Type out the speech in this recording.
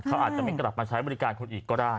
เขาอาจจะไม่กลับมาใช้บริการคุณอีกก็ได้